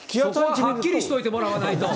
そこははっきりしておいてもらわないと。